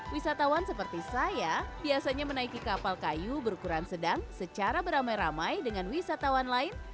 wisatawan seperti saya biasanya menaiki kapal kayu berukuran sedang secara beramai ramai dengan wisatawan lain